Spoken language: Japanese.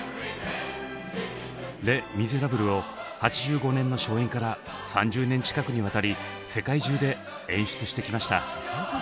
「レ・ミゼラブル」を８５年の初演から３０年近くにわたり世界中で演出してきました。